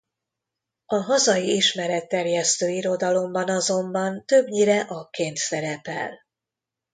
A hazai ismeretterjesztő irodalomban azonban többnyire akként szerepel.